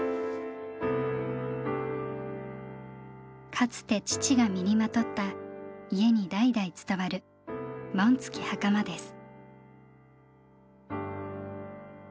かつて父が身にまとった家に代々伝わる紋付きはかまです。